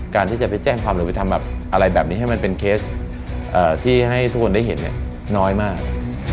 การที่จะไปแจ้งความหรือไปทำอะไรแบบนี้ให้มันเป็นเคสที่ให้ทุกคนได้เห็นเนี่ยน้อยมาก